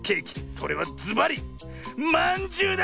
それはずばりまんじゅうだ！